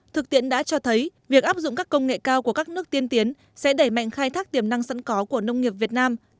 thực tiễn đã cho thấy việc áp dụng các công nghệ cao của các nước tiên tiến sẽ đẩy mạnh khai thác tiềm năng sẵn có của nông nghiệp việt nam